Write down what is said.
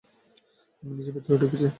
আমি নিজেই ভেতরে ঢুকেছি।